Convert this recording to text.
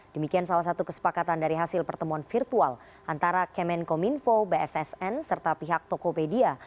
demikian salah satu kesepakatan dari hasil pertemuan virtual antara kemenkominfo bssn serta pihak tokopedia